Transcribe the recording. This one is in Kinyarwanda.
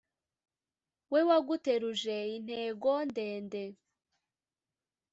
We waguteruje intego ndende